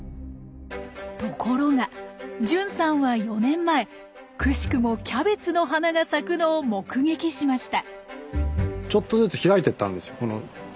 ところが純さんは４年前くしくもキャベツの花が咲くのを目撃しました。